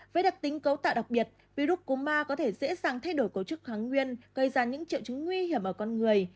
với đặc tính cấu tạo đặc biệt virus cúm ma có thể dễ dàng thay đổi cấu trúc kháng nguyên gây ra những triệu chứng nguy hiểm ở con người